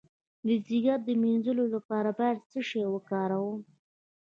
د ځیګر د مینځلو لپاره باید څه شی وکاروم؟